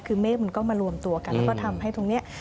คือเมฆมันก็มารวมตัวกันแล้วก็ทำให้ตรงนี้